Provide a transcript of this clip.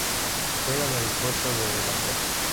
Juega en el puesto de delantero.